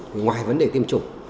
thì ngoài vấn đề tiêm chủng